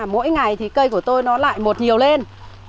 mỗi ngày cây của tôi lại một nhiều lên